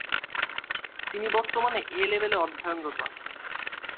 তিনি বর্তমানে এ-লেভেলে অধ্যয়নরত আছেন।